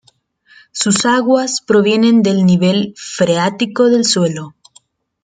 Sus aguas provienen del nivel freático del suelo.